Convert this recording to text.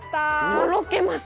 とろけます！